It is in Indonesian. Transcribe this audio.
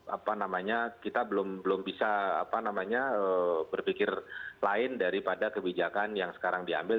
apa namanya kita belum bisa berpikir lain daripada kebijakan yang sekarang diambil